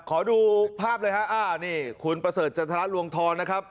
ขอดูภาพเลยฮะอ่านี่คุณประเสริฐจันทรลวงทองนะครับ